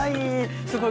すごい。